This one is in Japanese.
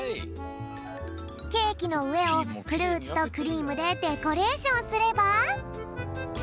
ケーキのうえをフルーツとクリームでデコレーションすれば。